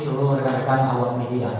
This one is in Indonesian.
seluruh regerikan awal media